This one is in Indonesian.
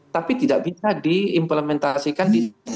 tapi tidak bisa diimplementasikan